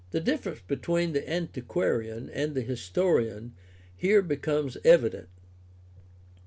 The difference between the antiquarian and the historian here becomes evident.